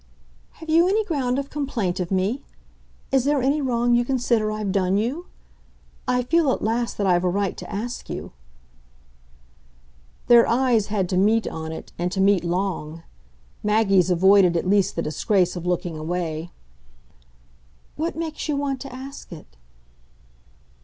"Have you any ground of complaint of me? Is there any wrong you consider I've done you? I feel at last that I've a right to ask you." Their eyes had to meet on it, and to meet long; Maggie's avoided at least the disgrace of looking away. "What makes you want to ask it?"